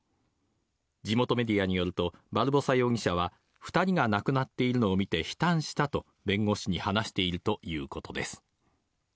地元メディアによるとバルボサ容疑者は２人が亡くなっているのを見て悲嘆したと弁護士に話しているということです。